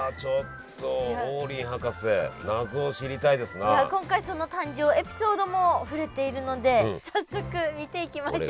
これはちょっと今回その誕生エピソードも触れているので早速見ていきましょう。